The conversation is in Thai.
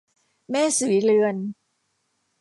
แม่ศรีเรือน